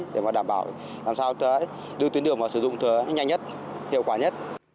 để mà đảm bảo làm sao đưa tuyến đường vào sử dụng nhanh nhất hiệu quả nhất